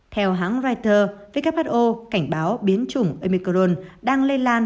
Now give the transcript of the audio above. theo hãng reuters who cảnh báo biến chủng emicron đang lây lan